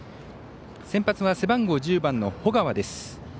先発は背番号１０番の保川です。